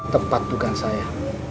tepat bukan saya